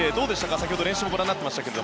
先ほど練習をご覧になっていましたが。